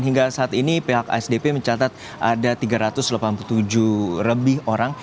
hingga saat ini pihak asdp mencatat ada tiga ratus delapan puluh tujuh lebih orang